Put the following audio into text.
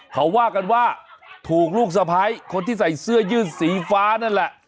เขาว่ากันว่าถูกลูกสะพ้ายคนที่ใส่เสื้อยืดสีฟ้านั่นแหละ